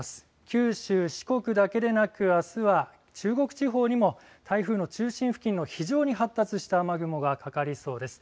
九州、四国だけでなくあすは中国地方にも台風の中心付近の非常に発達した雨雲がかかりそうです。